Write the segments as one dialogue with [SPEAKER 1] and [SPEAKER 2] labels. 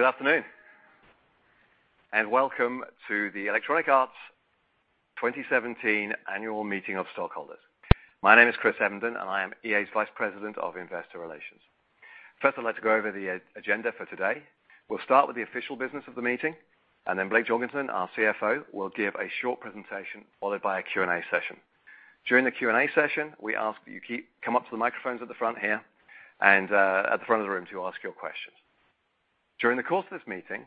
[SPEAKER 1] Good afternoon, and welcome to the Electronic Arts 2017 Annual Meeting of Stockholders. My name is Chris Evenden, and I am EA's Vice President of Investor Relations. First, I'd like to go over the agenda for today. We'll start with the official business of the meeting, then Blake Jorgensen, our CFO, will give a short presentation, followed by a Q&A session. During the Q&A session, we ask that you come up to the microphones at the front here and at the front of the room to ask your questions. During the course of this meeting,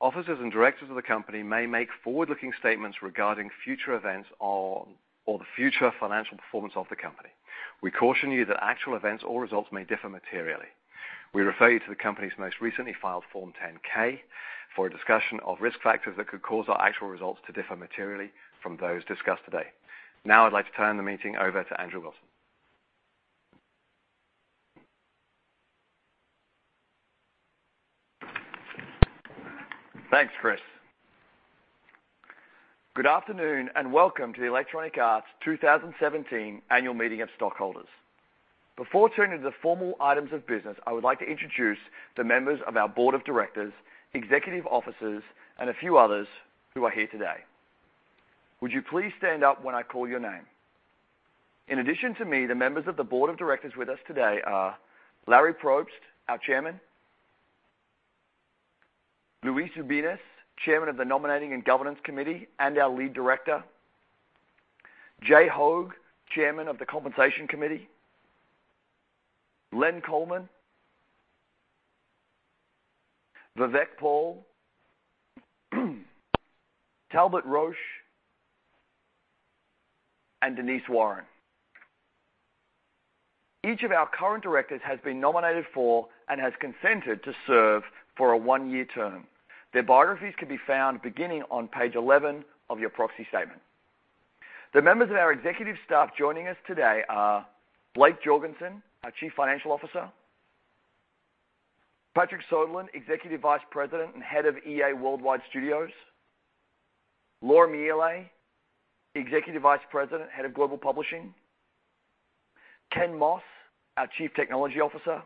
[SPEAKER 1] officers and directors of the company may make forward-looking statements regarding future events or the future financial performance of the company. We caution you that actual events or results may differ materially. We refer you to the company's most recently filed Form 10-K for a discussion of risk factors that could cause our actual results to differ materially from those discussed today. Now I'd like to turn the meeting over to Andrew Wilson.
[SPEAKER 2] Thanks, Chris. Good afternoon, and welcome to the Electronic Arts 2017 Annual Meeting of Stockholders. Before turning to the formal items of business, I would like to introduce the members of our board of directors, executive officers, and a few others who are here today. Would you please stand up when I call your name? In addition to me, the members of the board of directors with us today are Larry Probst, our chairman; Luis Ubiñas, chairman of the Nominating and Governance Committee and our lead director; Jay Hoag, chairman of the Compensation Committee; Len Coleman, Vivek Paul, Talbott Roche, and Denise Warren. Each of our current directors has been nominated for and has consented to serve for a one-year term. Their biographies can be found beginning on page 11 of your proxy statement. The members of our executive staff joining us today are Blake Jorgensen, our chief financial officer; Patrick Söderlund, executive vice president and head of EA Worldwide Studios; Laura Miele, executive vice president, head of Global Publishing; Ken Moss, our chief technology officer;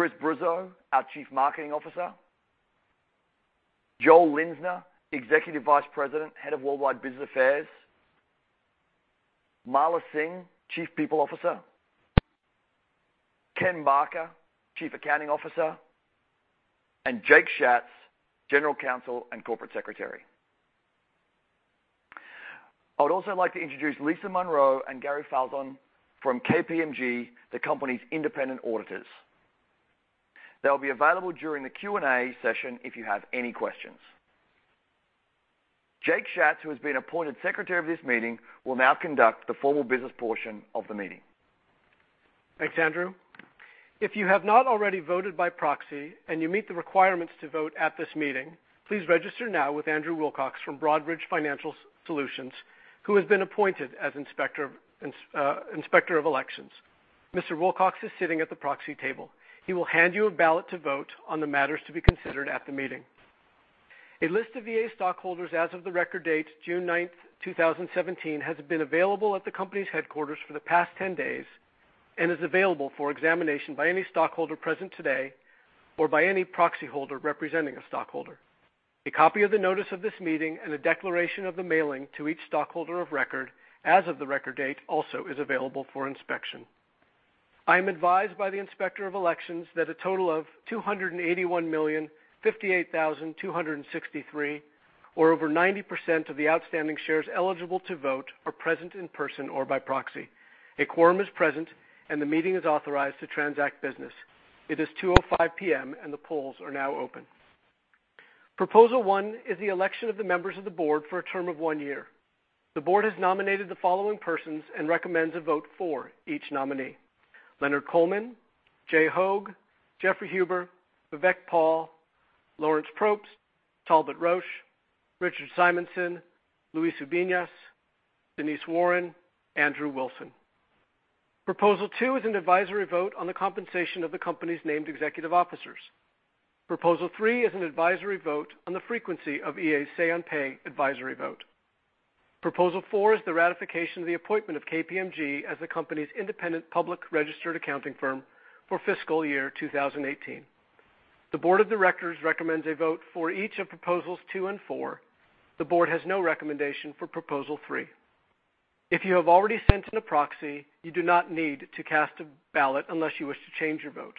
[SPEAKER 2] Chris Bruzzo, our chief marketing officer; Joel Linzner, executive vice president, head of Worldwide Business Affairs; Mala Singh, chief people officer; Ken Barker, chief accounting officer, and Jake Schatz, general counsel and corporate secretary. I would also like to introduce Lisa Monroe and Gary Falzon from KPMG, the company's independent auditors. They'll be available during the Q&A session if you have any questions. Jake Schatz, who has been appointed secretary of this meeting, will now conduct the formal business portion of the meeting.
[SPEAKER 3] Thanks, Andrew. If you have not already voted by proxy and you meet the requirements to vote at this meeting, please register now with Andrew Wilcox from Broadridge Financial Solutions, who has been appointed as inspector of elections. Mr. Wilcox is sitting at the proxy table. He will hand you a ballot to vote on the matters to be considered at the meeting. A list of EA stockholders as of the record date, June 9th, 2017, has been available at the company's headquarters for the past 10 days and is available for examination by any stockholder present today or by any proxy holder representing a stockholder. A copy of the notice of this meeting and a declaration of the mailing to each stockholder of record as of the record date also is available for inspection. I am advised by the inspector of elections that a total of 281,058,263, or over 90% of the outstanding shares eligible to vote, are present in person or by proxy. A quorum is present, the meeting is authorized to transact business. It is 2:05 P.M., the polls are now open. Proposal 1 is the election of the members of the board for a term of one year. The board has nominated the following persons and recommends a vote for each nominee: Leonard Coleman, Jay Hoag, Jeffrey Huber, Vivek Paul, Lawrence Probst, Talbott Roche, Richard Simonson, Luis Ubiñas, Denise Warren, Andrew Wilson. Proposal 2 is an advisory vote on the compensation of the company's named executive officers. Proposal 3 is an advisory vote on the frequency of EA's say-on-pay advisory vote. Proposal 4 is the ratification of the appointment of KPMG as the company's independent public registered accounting firm for FY 2018. The board of directors recommends a vote for each of proposals 2 and 4. The board has no recommendation for proposal 3. If you have already sent in a proxy, you do not need to cast a ballot unless you wish to change your vote.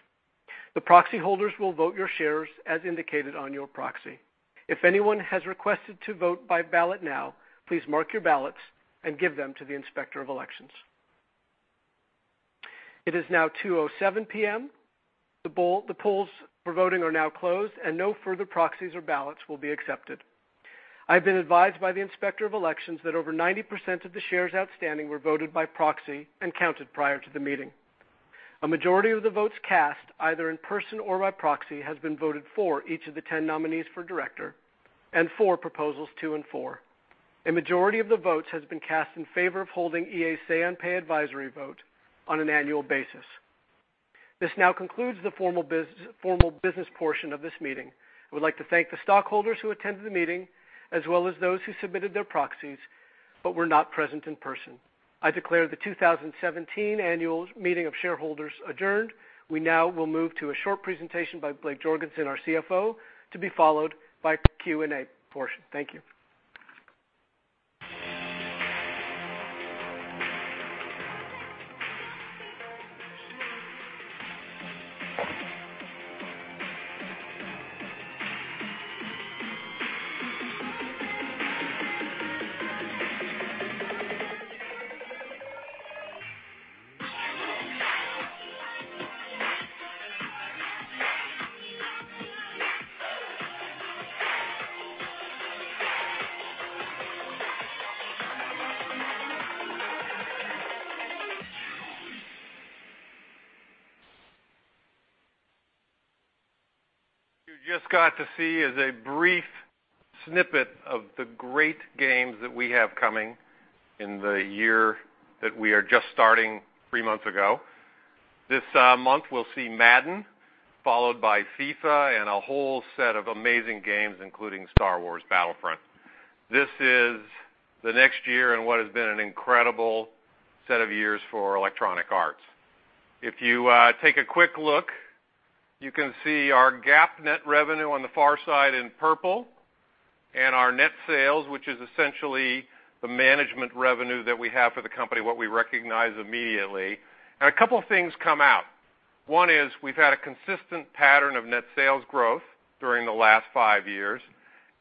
[SPEAKER 3] The proxy holders will vote your shares as indicated on your proxy. If anyone has requested to vote by ballot now, please mark your ballots and give them to the inspector of elections. It is now 2:07 P.M. The polls for voting are now closed, no further proxies or ballots will be accepted. I have been advised by the inspector of elections that over 90% of the shares outstanding were voted by proxy and counted prior to the meeting. A majority of the votes cast, either in person or by proxy, has been voted for each of the 10 nominees for director and for proposals 2 and 4. A majority of the votes has been cast in favor of holding EA's say-on-pay advisory vote on an annual basis. This now concludes the formal business portion of this meeting. I would like to thank the stockholders who attended the meeting, as well as those who submitted their proxies. We're not present in person. I declare the 2017 Annual Meeting of Shareholders adjourned. We now will move to a short presentation by Blake Jorgensen, our CFO, to be followed by Q&A portion. Thank you.
[SPEAKER 4] What you just got to see is a brief snippet of the great games that we have coming in the year that we are just starting three months ago. This month, we'll see "Madden" followed by "FIFA" and a whole set of amazing games, including "Star Wars Battlefront." This is the next year in what has been an incredible set of years for Electronic Arts. If you take a quick look, you can see our GAAP net revenue on the far side in purple and our net sales, which is essentially the management revenue that we have for the company, what we recognize immediately. A couple of things come out. One is we've had a consistent pattern of net sales growth during the last five years,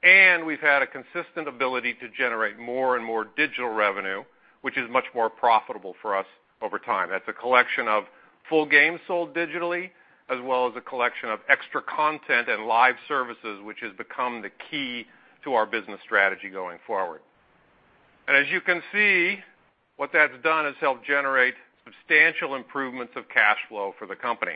[SPEAKER 4] and we've had a consistent ability to generate more and more digital revenue, which is much more profitable for us over time. That's a collection of full games sold digitally as well as a collection of extra content and live services, which has become the key to our business strategy going forward. As you can see, what that's done is helped generate substantial improvements of cash flow for the company.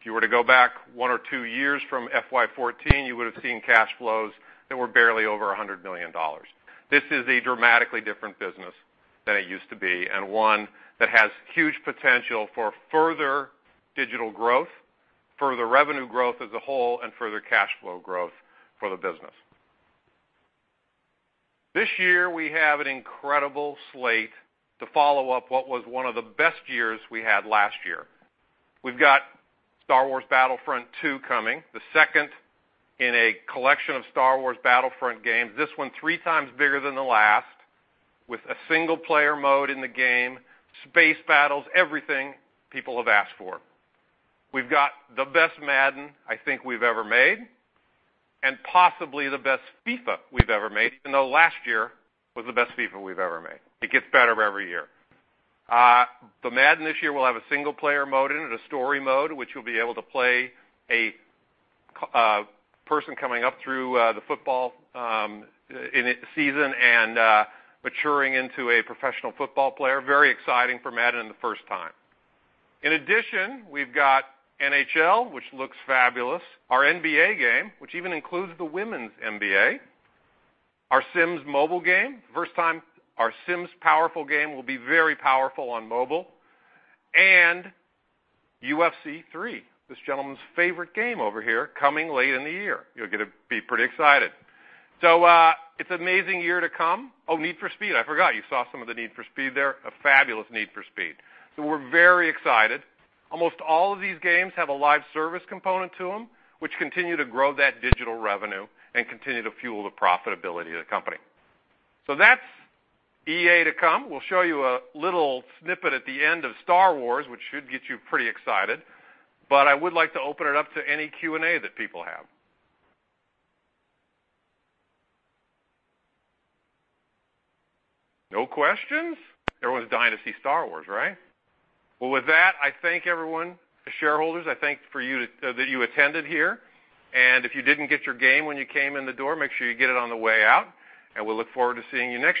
[SPEAKER 4] If you were to go back one or two years from FY 2014, you would've seen cash flows that were barely over $100 million. This is a dramatically different business than it used to be and one that has huge potential for further digital growth, further revenue growth as a whole, and further cash flow growth for the business. This year, we have an incredible slate to follow up what was one of the best years we had last year. We've got "Star Wars Battlefront II" coming. The second in a collection of "Star Wars Battlefront" games. This one three times bigger than the last, with a single-player mode in the game, space battles, everything people have asked for. We've got the best "Madden" I think we've ever made, and possibly the best "FIFA" we've ever made, even though last year was the best "FIFA" we've ever made. It gets better every year. The "Madden" this year will have a single-player mode in it, a story mode, which you'll be able to play a person coming up through the football season and maturing into a professional football player. Very exciting for "Madden" the first time. In addition, we've got "NHL," which looks fabulous. Our NBA game, which even includes the Women's NBA. Our "The Sims Mobile" game. First time our Sims powerful game will be very powerful on mobile. "UFC 3," this gentleman's favorite game over here, coming late in the year. You're going to be pretty excited. It's an amazing year to come. Oh, "Need for Speed." I forgot. You saw some of the "Need for Speed" there, a fabulous "Need for Speed." We're very excited. Almost all of these games have a live service component to them, which continue to grow that digital revenue and continue to fuel the profitability of the company. That's EA to come. We'll show you a little snippet at the end of "Star Wars," which should get you pretty excited. I would like to open it up to any Q&A that people have. No questions? Everyone's dying to see "Star Wars," right? With that, I thank everyone. Shareholders, I thank that you attended here, and if you didn't get your game when you came in the door, make sure you get it on the way out, and we look forward to seeing you next year.